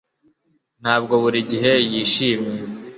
Ntabwo buri gihe yishimye